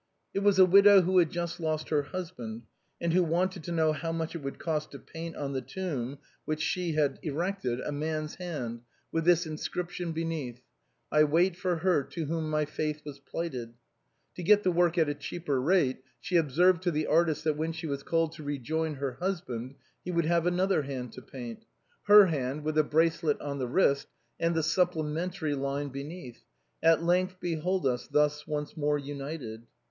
It was a widow who had just lost her husband, and who wanted to know how much it would cost to paint on the tomb which she had erected a mans hand, with this inscription beneath : j> " I WAIT FOE HER TO WHOM MY FAITH WAS PLIGHTED. To get the work at a cheaper rate, she observed to the artist that when she was called to rejoin her husband, he would have another hand to paint — lier hand with a brace let on the wrist and the supplementary line beneath :" AT LENGTH, BEHOLD US THUS ONCE MORE UNITED."